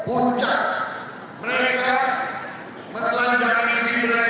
oh mudara jodoh terakhir